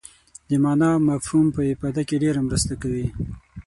د معنا او مفهوم په افاده کې ډېره مرسته کوي.